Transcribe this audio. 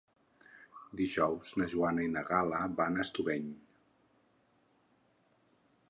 Dijous na Joana i na Gal·la van a Estubeny.